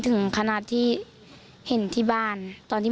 และยังคิดว่าที่ดีมากคิดว่าง่ายออกด้วย